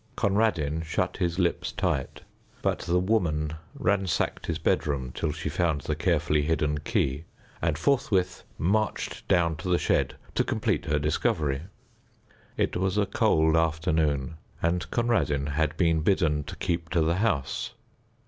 Conradin shut his lips tight, but the Woman ransacked his bedroom till she found the carefully hidden key, and forthwith marched down to the shed to complete her discovery. It was a cold afternoon, and Conradin had been bidden to keep to the house.